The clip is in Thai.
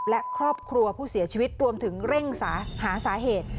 และครอบครัวผู้เสียชีวิตรวมถึงเร่งหาสาเหตุ